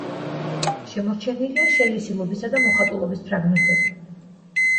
შემორჩენილია შელესილობისა და მოხატულობის ფრაგმენტები.